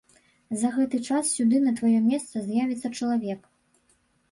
За гэты час сюды на тваё месца з'явіцца чалавек.